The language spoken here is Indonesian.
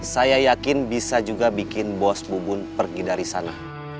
saya yakin bisa juga bikin bos bubun pergi dari sana